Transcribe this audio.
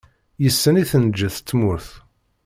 Yes-sen i tenǧes tmurt.